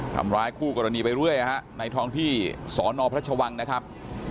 ทำร้ายคู่กรณีไปเรื่อยในท้องที่สอนอพระชวังนะครับ